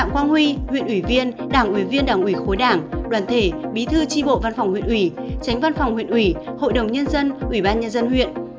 khối đảng đoàn thể bí thư tri bộ văn phòng huyện ủy tránh văn phòng huyện ủy hội đồng nhân dân ủy ban nhân dân huyện